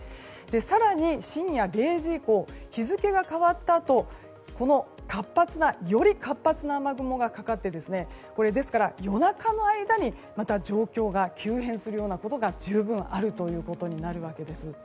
更に、深夜０時以降日付が変わったあとより活発な雨雲がかかってですから、夜中の間にまた状況が急変するようなことが十分あるということになります。